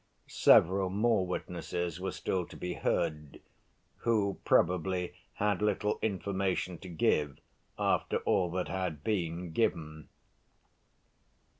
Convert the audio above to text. Several more witnesses were still to be heard, who probably had little information to give after all that had been given.